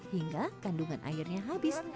hingga kandungan airnya habis